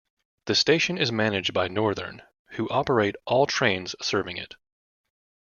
The station is managed by Northern, who operate all trains serving it.